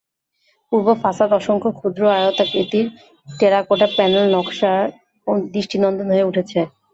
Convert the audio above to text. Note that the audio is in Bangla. পূর্ব ফাসাদ অসংখ্য ক্ষুদ্র আয়তাকৃতির টেরাকোটা প্যানেল নকশায় দৃষ্টিনন্দন হয়ে উঠেছে।